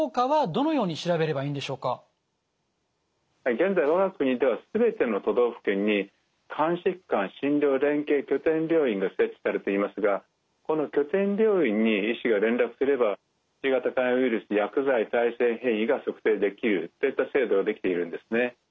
現在我が国では全ての都道府県に肝疾患診療連携拠点病院が設置されていますがこの拠点病院に医師が連絡すればＣ型肝炎ウイルス薬剤耐性変異が測定できるといった制度ができているんですね。